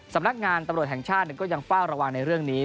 สำนักงานตำรวจแห่งชาติก็ยังเฝ้าระวังในเรื่องนี้